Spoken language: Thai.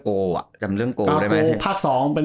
โกว่าจำเรื่องโกว่าได้ไหม